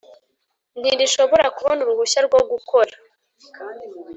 ntirishobora kubona uruhushya rwo gukora